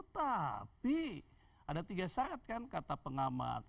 tapi ada tiga saat kan kata pengamat